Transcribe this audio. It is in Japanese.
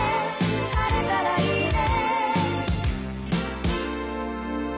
「晴れたらいいね」